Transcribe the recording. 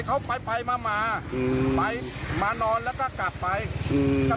เขาไปไปมามาอืมไปมานอนแล้วก็กลับไปอืมก็